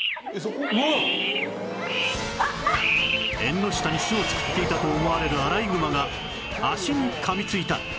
縁の下に巣を作っていたと思われるアライグマが足に噛みついた！